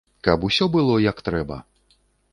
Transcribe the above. Каб усё было, як трэба.